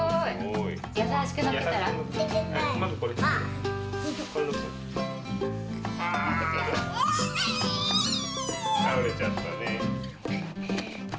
たおれちゃったね。